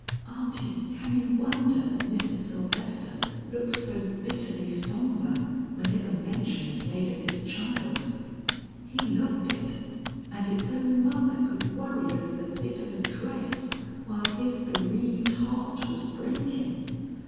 Aunty, can you wonder that Mr. Sylvester looks so bitterly sombre whenever mention is made of his child? He loved it, and its own mother could worry over the fit of a dress while his bereaved heart was breaking!